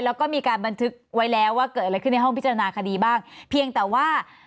แล้วก็มีการบันทึกไว้แล้วว่าเกิดอะไรขึ้นในห้องพิจารณาคดีบ้างเพียงแต่ว่า